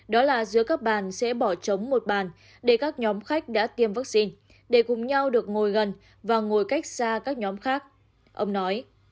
đó là giữa các bàn sẽ bỏ trống một bàn để các nhóm khách đã tiêm vaccine để cùng nhau được ngồi gần và ngồi cách xa các nhóm khác ông nói